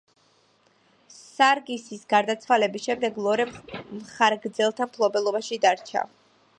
სარგისის გარდაცვალების შემდეგ ლორე მხარგრძელთა მფლობელობაში დარჩა.